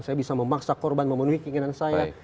saya bisa memaksa korban memenuhi keinginan saya